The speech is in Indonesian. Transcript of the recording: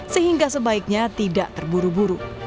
sehingga sebaiknya tidak terburu buru